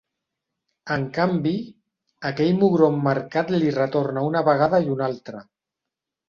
En canvi, aquell mugró emmarcat li retorna una vegada i una altra.